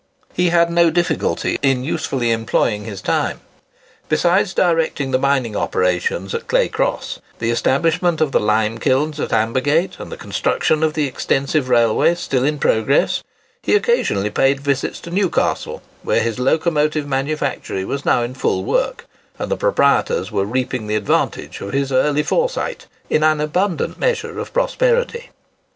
He had no difficulty in usefully employing his time. Besides directing the mining operations at Claycross, the establishment of the lime kilns at Ambergate, and the construction of the extensive railways still in progress, he occasionally paid visits to Newcastle, where his locomotive manufactory was now in full work, and the proprietors were reaping the advantages of his early foresight in an abundant measure of prosperity.